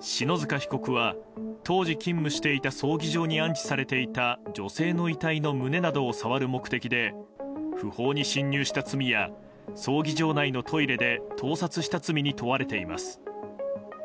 篠塚被告は当時、勤務していた葬儀場に安置されていた女性の遺体の胸などを触る目的で不法に侵入した罪や葬儀場内のトイレで盗撮した罪に問われています。